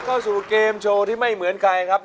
เข้าสู่เกมโชว์ที่ไม่เหมือนใครครับ